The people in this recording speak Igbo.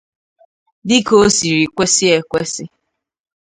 dịka o siri kwesi ekwesi.